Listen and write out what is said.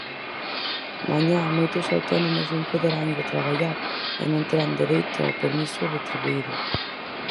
Mañá moitos autónomos non poderán ir traballar e non terán dereito ao permiso retribuído.